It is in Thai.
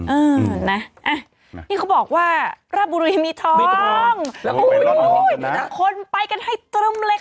เออน่ะนี่เขาบอกว่าราบุรีมีทองมีทองแล้วก็ไปร่อนทองดูนะคนไปกันให้ตรึมเลยค่ะ